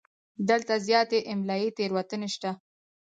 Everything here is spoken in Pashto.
دلته زیاتې املایي تېروتنې شته.